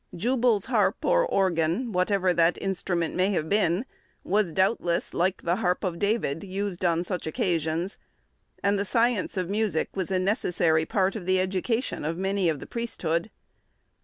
Jubal's harp or organ, whatever that instrument may have been, was doubtless, like the harp of David, used on such occasions, and the science of music was a necessary part of the education of many of the priesthood.